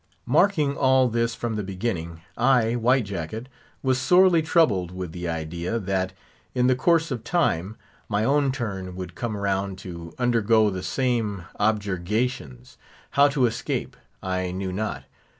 Marking all this from the beginning, I, White Jacket, was sorely troubled with the idea, that, in the course of time, my own turn would come round to undergo the same objurgations. How to escape, I knew not.